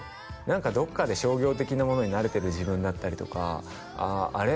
何かどっかで商業的なものに慣れてる自分だったりとかあれ？